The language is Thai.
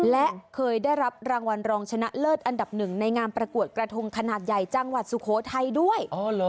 และเคยได้รับรางวัลรองชนะเลิศอันดับหนึ่งในงานประกวดกระทงขนาดใหญ่จังหวัดสุโขทัยด้วย